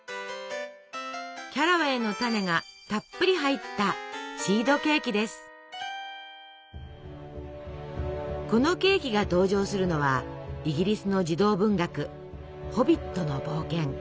キャラウェイの種がたっぷり入ったこのケーキが登場するのはイギリスの児童文学「ホビットの冒険」。